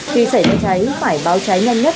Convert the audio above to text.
khi xảy ra cháy phải báo cháy nhanh nhất